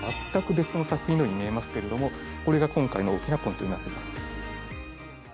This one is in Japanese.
全く別の作品のように見えますけれどもこれが今回の大きなポイントになっています。